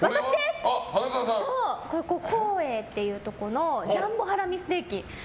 焼幸永っていうところのジャンボハラミステーキ。